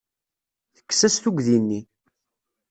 Tekkes-as tuggdi-nni.